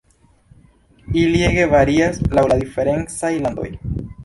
Ili ege varias laŭ la diferencaj landoj.